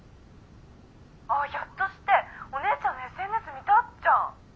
あっひょっとしてお姉ちゃんのＳＮＳ見たっちゃ。